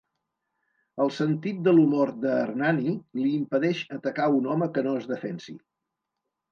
El sentit de l'humor de Hernani li impedeix atacar un home que no es defensi.